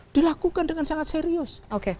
dilakukan dengan sangat serius